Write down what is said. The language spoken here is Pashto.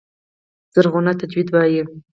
زرغونه تجوید وايي.